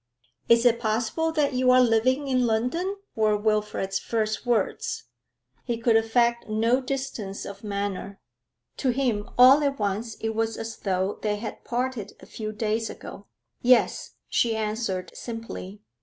'Is it possible that you are living in London?' were Wilfrid's first words. He could affect no distance of manner. To him all at once it was as though they had parted a few days ago. 'Yes,' she answered simply.